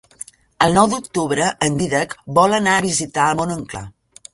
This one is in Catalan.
El nou d'octubre en Dídac vol anar a visitar mon oncle.